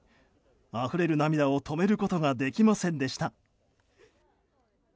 あふれる涙を止めることができませんでした。